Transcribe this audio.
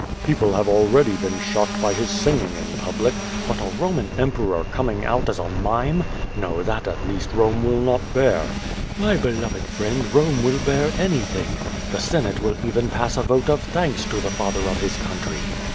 "People have already been shocked by his singing in public. But a Boman emperor coming out as a mime! No, that at least Borne will not bear.'' "]\ry beloved friend, Bome will bear anything. The Senate will even pass a vote of thanks to the Father of his country.'